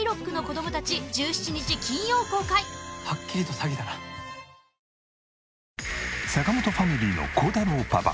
三菱電機坂本ファミリーの耕太郎パパ